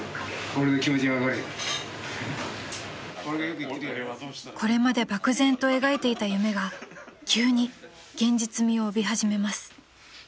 ［これまで漠然と描いていた夢が急に現実味を帯び始めます］